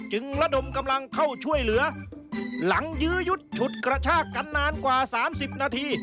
หลังยื้อยุดฉุดกระชากันนานกว่า๓๐นาที